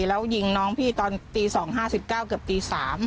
แล้วยิงน้องพี่ตอนตี๒๕๙เกือบตี๓